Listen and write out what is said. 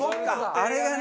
あれがね。